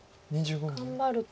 頑張ると。